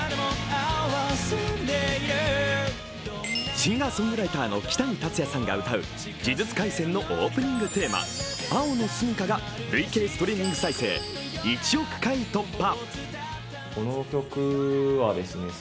シンガーソングライターのキタニタツヤさんが歌う「呪術廻戦」のオープニングテーマ、「青のすみか」が累計ストリーミング再生１億回突破。